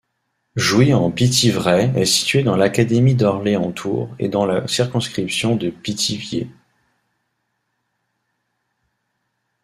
Jouy-en-Pithiverais est situé dans l'académie d'Orléans-Tours et dans la circonscription de Pithiviers.